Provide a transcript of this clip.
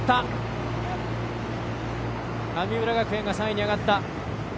神村学園が３位に上がった。